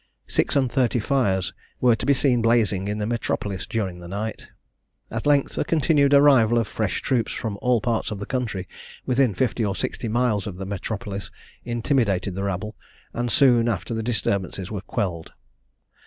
Six and thirty fires were to be seen blazing in the metropolis during the night. At length the continued arrival of fresh troops, from all parts of the country, within fifty or sixty miles of the metropolis, intimidated the rabble; and soon after the disturbances were quelled.